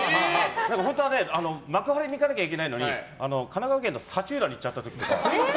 本当は幕張に行かなきゃいけないのに神奈川県の幸浦に行ってしまった時とか。